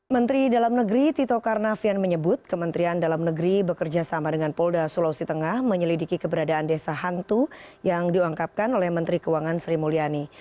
menteri dalam negeri tito karnavian menyebut kementerian dalam negeri bekerja sama dengan polda sulawesi tengah menyelidiki keberadaan desa hantu yang diangkapkan oleh menteri keuangan sri mulyani